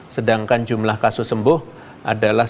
sedangkan jumlah kasus sembuh adalah